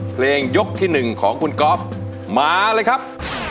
เพลงยกที่๑ของคุณกอล์ฟมาเลยครับ